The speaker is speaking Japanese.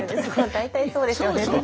大体そうですよね。